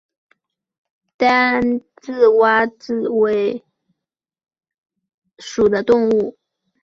单蛙蛭为舌蛭科蛙蛭属的动物。